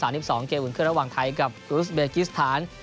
เกี่ยวขึ้นระหว่างไทยกับอุสเบยกิสฐาน